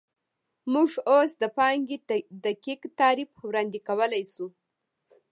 موږ اوس د پانګې دقیق تعریف وړاندې کولی شو